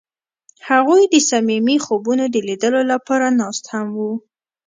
هغوی د صمیمي خوبونو د لیدلو لپاره ناست هم وو.